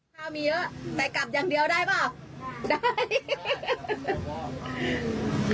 ถ้ามีเยอะแต่กลับอย่างเดียวได้เปล่าได้